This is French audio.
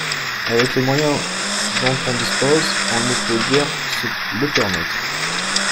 Avec les moyens dont on dispose, on ne peut guère se le permettre